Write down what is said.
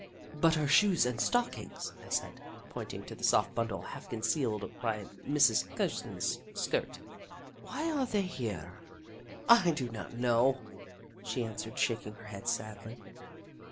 But her shoes and stockings," I said, pointing to the soft bundle half concealed by Mrs. Kirsten's skirt, " why are they here?" " I do not know," she answered, shaking her head, sadly.